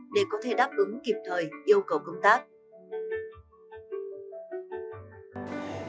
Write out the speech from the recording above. để có thể đáp ứng kịp thời yêu cầu công tác